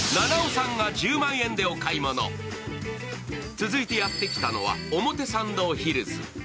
続いてやってきたのは表参道ヒルズ。